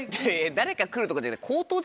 誰か来るとかじゃない。